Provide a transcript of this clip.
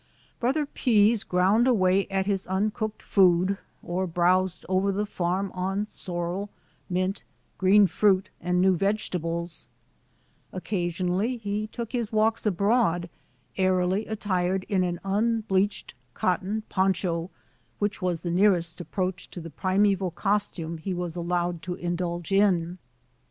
Brother Pease ground away at his uncooked food, or browsed over the farm on sorrel, mint, green fruit, and new vegetables. Occasionally he took his walks abroad, airily attired in an un bleached cotton poncho, which was the nearest approach to the primeval costume he was al Digitized by VjOOQ IC TRANSCENDENTAL WILD OATS i6i lowed to indulge in.